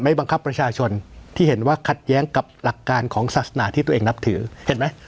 บังคับประชาชนที่เห็นว่าขัดแย้งกับหลักการของศาสนาที่ตัวเองนับถือเห็นไหม